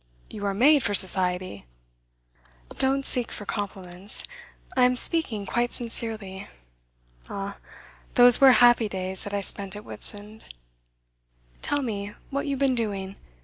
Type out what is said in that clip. You are made for Society.' 'Don't seek for compliments. I am speaking quite sincerely. Ah, those were happy days that I spent at Whitsand! Tell me what you have been doing.